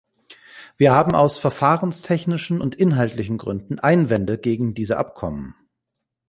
Wir haben aus verfahrenstechnischen und inhaltlichen Gründen Einwände gegen diese Abkommen.